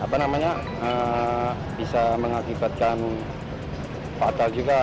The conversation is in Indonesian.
apa namanya bisa mengakibatkan fatal juga